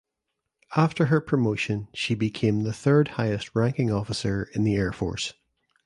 After her promotion she became the third highest ranking officer in the air force.